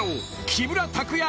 木村拓哉